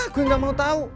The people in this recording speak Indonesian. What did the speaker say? gue gak mau tau